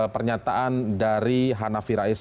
pernyataan dari hanafi rais